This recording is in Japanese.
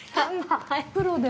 プロで？